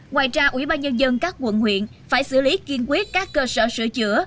ngoài ra ubnd các quận huyện phải xử lý kiên quyết các cơ sở sửa chữa